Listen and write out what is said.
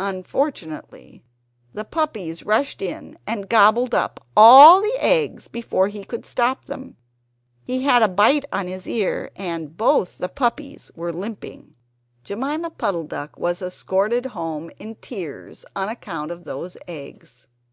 Unfortunately the puppies rushed in and gobbled up all the eggs before he could stop them. He had a bite on his ear, and both the puppies were limping. Jemima Puddle duck was escorted home in tears on account of those eggs.